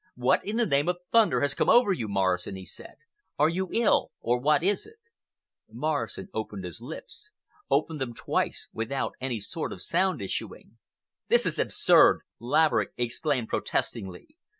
"What in the name of thunder has come over you, Morrison?" he said. "Are you ill, or what is it?" Morrison opened his lips—opened them twice—without any sort of sound issuing. "This is absurd!" Laverick exclaimed protestingly.